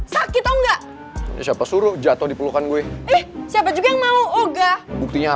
sampai jumpa di video selanjutnya